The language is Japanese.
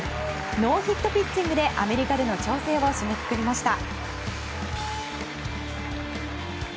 ノーヒットピッチングでアメリカでの調整を締めくくりました。